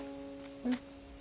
うん。